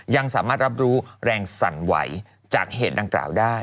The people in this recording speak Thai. ยังสามารถรับรู้แรงสั่นไหวจากเหตุดังกล่าวได้